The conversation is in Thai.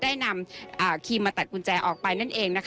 ได้นำครีมมาตัดกุญแจออกไปนั่นเองนะคะ